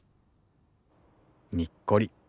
にっこり。